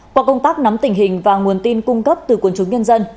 qua công tác nắm tình hình và nguồn tin cung cấp từ quần chúng nhân dân